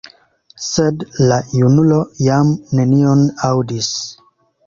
Sed la junulo jam nenion aŭdis.